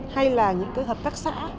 hay là những hợp tác xã